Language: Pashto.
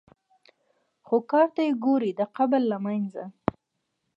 خو کار ته یې ګورې د قبر له منځه.